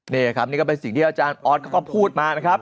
นี่ครับนี่ก็เป็นสิ่งที่อาจารย์ออสเขาก็พูดมานะครับ